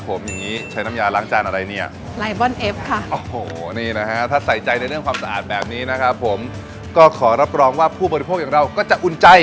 โอ้โฮถ้าใส่ใจในเรื่องความสะอาดแบบนี้ขอรับรองว่าผู้บริโภคแบบเราก็จะอุ่นใจ